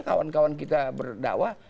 kawan kawan kita berdakwah